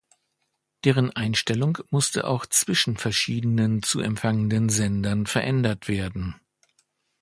Deren Einstellung musste auch zwischen verschiedenen zu empfangenden Sendern verändert werden.